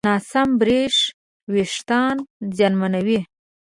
ناسم برش وېښتيان زیانمنوي.